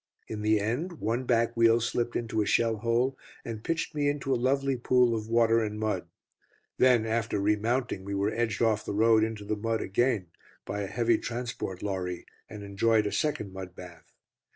In the end one back wheel slipped into a shell hole and pitched me into a lovely pool of water and mud. Then after remounting, we were edged off the road into the mud again by a heavy transport lorry, and enjoyed a second mud bath.